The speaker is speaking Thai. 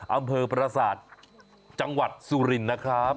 อำเภอปราศาสตร์จังหวัดสุรินนะครับ